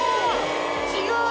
違う！